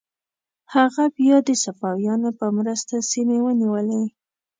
هغه بیا د صفویانو په مرسته سیمې ونیولې.